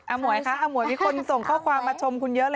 หมวยคะอาหมวยมีคนส่งข้อความมาชมคุณเยอะเลย